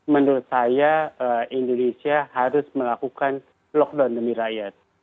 menurut saya indonesia harus melakukan lockdown demi rakyat